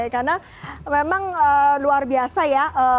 karena memang luar biasa ya